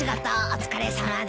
お疲れさまです。